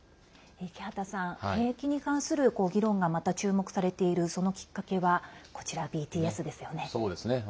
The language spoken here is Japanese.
池畑さん、兵役に関する議論がまた注目されているそのきっかけはこちら、ＢＴＳですよね。